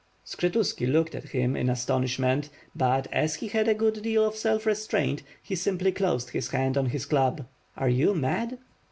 "Skshetuski looked at him in astonishment, but, as he had a good deal of self restraint, he simply closed his hand on his club. "Are you mad?"